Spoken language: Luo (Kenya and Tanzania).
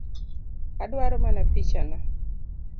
Adwaro mana picha na